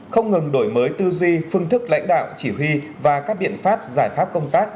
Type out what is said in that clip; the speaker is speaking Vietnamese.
không ngừng đổi mới tư duy phương thức lãnh đạo chỉ huy và các biện pháp giải pháp công tác